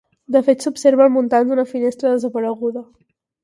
De fet s'observa el muntant d'una finestra desapareguda.